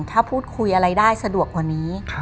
ถ้าพูดคุยอะไรได้สะดวกกว่านี้